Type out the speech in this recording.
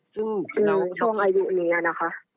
ช่วงอายุนี้ล่ะค่ะ